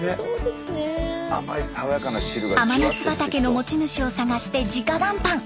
甘夏畑の持ち主を探してじか談判。